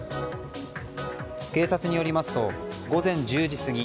警察によりますと午前１０時過ぎ